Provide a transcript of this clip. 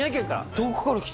遠くから来てる。